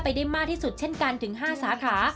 ได้มากที่สุดเช่นกันถึง๕สาขา